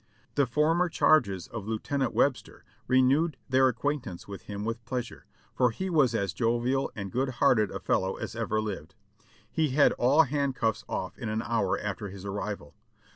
The former charges of Lieu tenant Webster renewed their acquaintance with him with pleas ure, for he was as jovial and good hearted a fellow as ever lived. He had all handcuffs off in an hour after his arrival.